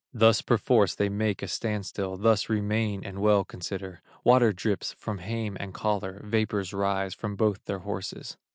Thus perforce they make a stand still, Thus remain and well consider; Water drips from hame and collar, Vapors rise from both their horses.